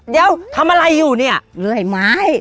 เดี๋ยวทำอะไรอยู่เนี่ยเลื่อยไม้